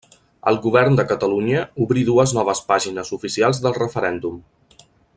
El Govern de Catalunya obrí dues noves pàgines oficials del referèndum.